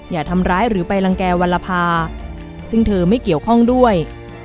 อย่าทำร้ายหรือไปรังแก่วรภาซึ่งเธอไม่เกี่ยวข้องด้วย